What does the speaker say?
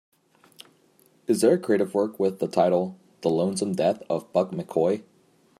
Is there a creative work with the title The Lonesome Death of Buck McCoy